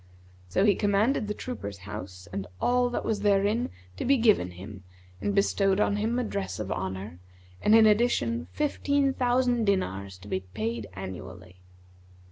So he commanded the trooper's house and all that was therein to be given him and bestowed on him a dress of honour and in addition fifteen thousand dinars to be paid annually.